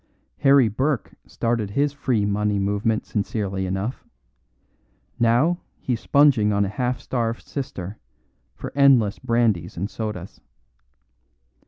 Harry Burke started his free money movement sincerely enough; now he's sponging on a half starved sister for endless brandies and sodas.